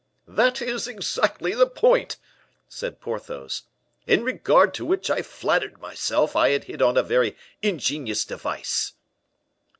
"That is exactly the point," said Porthos, "in regard to which I flattered myself I had hit on a very ingenious device."